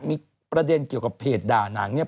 มีประเด็นเกี่ยวกับเพจด่านังเนี่ย